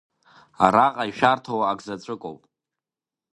Араҟа ишәарҭоу акзаҵәыкоуп…